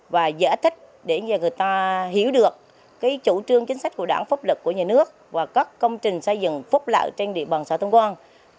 và giải thích để người ta hiểu được chủ trương chính sách của đảng pháp lực của nhà nước và các công trình xây dựng phốc lợi trên địa bàn xã tân quang